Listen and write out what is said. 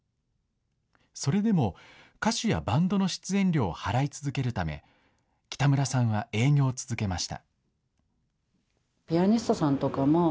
それでも歌手やバンドの出演料を払い続けるため、北村さんは営業を続けました。